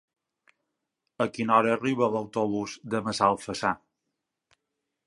A quina hora arriba l'autobús de Massalfassar?